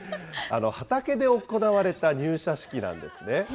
畑で行われた入社式なんですね。